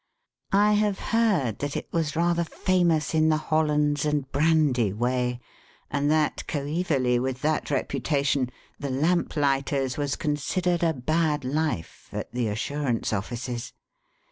I have heard that it was rather famous in the hollands and brandy way, and that coevally with that reputation the lamplighter's was considered a bad life at the Assurance Offices.